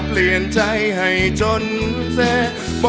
ขอบคุณมาก